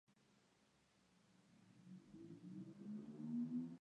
Por otro lado, las huestes de Mordor inician el asedio a la ciudad blanca.